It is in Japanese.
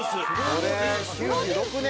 これ９６年か！